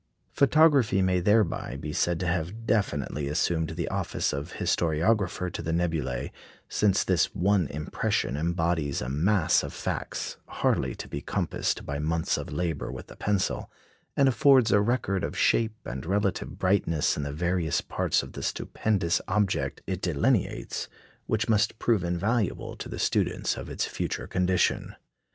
Photography may thereby be said to have definitely assumed the office of historiographer to the nebulæ, since this one impression embodies a mass of facts hardly to be compassed by months of labour with the pencil, and affords a record of shape and relative brightness in the various parts of the stupendous object it delineates which must prove invaluable to the students of its future condition.